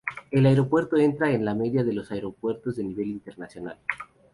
El aeropuerto entra en la media de los aeropuertos de nivel internacional.